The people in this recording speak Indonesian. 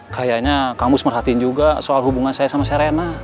kayaknya kamus merhatiin juga soal hubungan saya sama serena